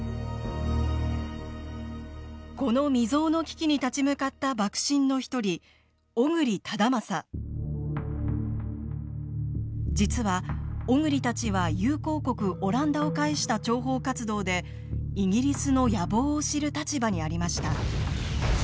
この未曽有の危機に立ち向かった幕臣の一人実は小栗たちは友好国オランダを介した諜報活動でイギリスの野望を知る立場にありました。